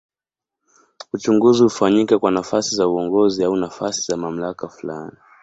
Uchaguzi hufanyika kwa nafasi za uongozi au nafasi za mamlaka fulani.